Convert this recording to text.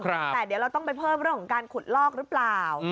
แต่เดี๋ยวเราต้องไปเพิ่มเรื่องของการขุดลอกหรือเปล่า